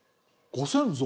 ご先祖？